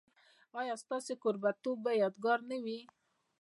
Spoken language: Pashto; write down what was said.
ایا ستاسو کوربه توب به یادګار نه وي؟